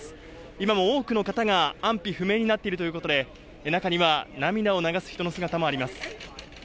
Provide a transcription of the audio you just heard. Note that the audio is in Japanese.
今も多くの方が安否不明になっているということで、中には、涙を流す人の姿もあります。